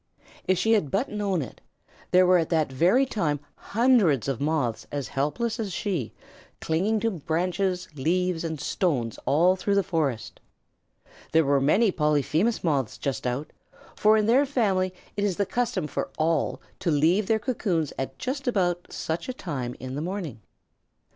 If she had but known it, there were at that very time hundreds of Moths as helpless as she, clinging to branches, leaves, and stones all through the forest. There were many Polyphemus Moths just out, for in their family it is the custom for all to leave their cocoons at just about such a time in the morning.